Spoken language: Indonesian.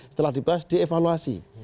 setelah dibahas dievaluasi